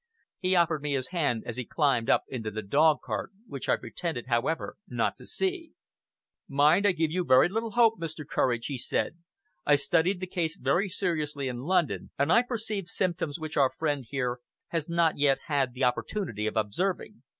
He offered me his hand as he climbed up into the dog cart, which I pretended, however, not to see. "Mind, I give you very little hope, Mr. Courage," he said. "I studied the case very seriously in London, and I perceived symptoms which our friend here has not yet had the opportunity of observing.